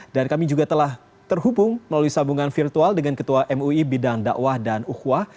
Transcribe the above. dan kami juga telah terhubung melalui sambungan virtual dengan ketua mui bidang da'wah dan uhwah